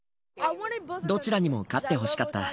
どちらにも勝ってほしかった。